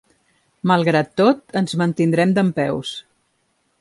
Malgrat tot, ens mantindrem dempeus.